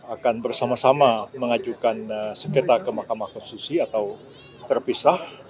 akan bersama sama mengajukan sekretar ke mk atau terpisah